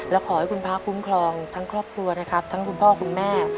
และขอให้คุณพระคุ้มครองทั้งครอบครัวนะครับทั้งคุณพ่อคุณแม่